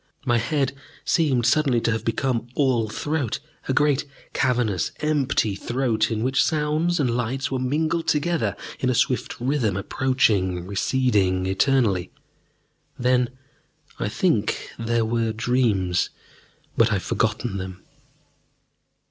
My head seemed suddenly to have become all throat, a great, cavernous, empty throat in which sounds and lights were mingled together, in a swift rhythm, approaching, receding eternally. Then, I think, there were dreams. But I have forgotten them....